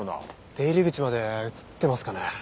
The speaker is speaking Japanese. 出入り口まで映ってますかね？